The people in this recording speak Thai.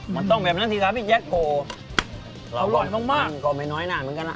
มันต้องแบบนั้นสิครับพี่แจ็คโอ้อร่อยมากมากอร่อยมากมาก